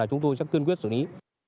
chúng tôi chắc cương quyết xử lý